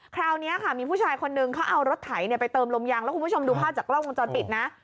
คราวนี้ค่ะมีผู้ชายคนนึงเขาเอารถไถไปเติมลมยางแล้วคุณผู้ชมดูภาพจากกล้องวงจรปิดนะ